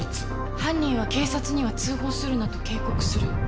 犯人は警察には通報するなと警告する。